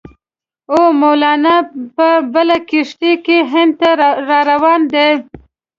او مولنا په بله کښتۍ کې هند ته را روان دی.